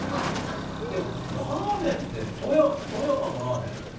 でもラーメンって富山のラーメン？